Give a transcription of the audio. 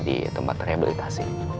di tempat rehabilitasi